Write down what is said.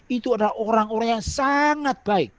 itu adalah orang orang yang sangat baik